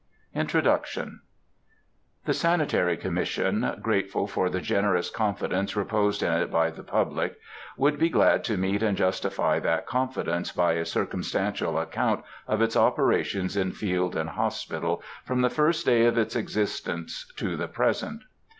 INTRODUCTION. The Sanitary Commission, grateful for the generous confidence reposed in it by the public, would be glad to meet and justify that confidence by a circumstantial account of its operations in field and hospital, from the first day of its existence to the present.